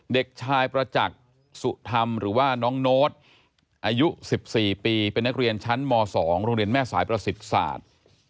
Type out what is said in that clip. เด็กชายประจักษ์สุธรรมหรือว่าน้องโน้ตอายุ๑๔ปีเป็นนักเรียนชั้นม๒โรงเรียนแม่สายประสิทธิ์ศาสตร์